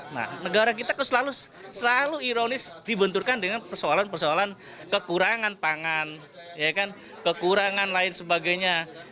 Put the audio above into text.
nah negara kita selalu ironis dibenturkan dengan persoalan persoalan kekurangan pangan kekurangan lain sebagainya